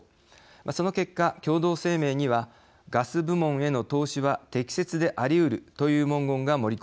その結果共同声明にはガス部門への投資は適切でありうるという文言が盛り込まれました。